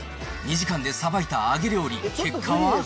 ２時間でさばいた揚げ料理、結果は。